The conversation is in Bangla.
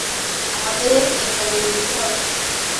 আমাদের এটা মেনে নিতে হবে।